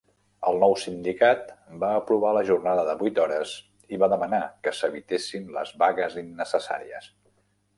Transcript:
El nou sindicat va aprovar la jornada de vuit hores i va demanar que s'evitessin les vagues innecessàries.